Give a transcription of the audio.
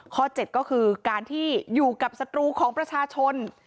ข้อเจ็ดก็คือการที่อยู่กับสตูของประชาชน